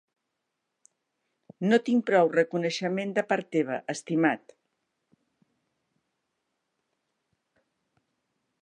No tinc prou reconeixement de part teva, estimat!